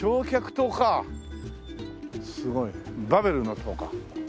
すごいバベルの塔か。